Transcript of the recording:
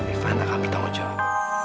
ivan akan bertanggung jawab